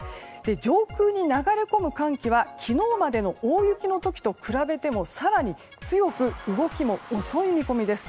上空に流れ込む寒気は昨日までの大雪の時と比べても更に強く動きも遅い見込みです。